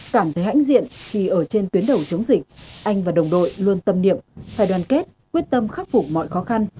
cảm thấy hãnh diện khi ở trên tuyến đầu chống dịch anh và đồng đội luôn tâm niệm phải đoàn kết quyết tâm khắc phục mọi khó khăn